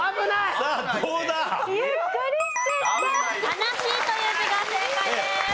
「話」という字が正解です。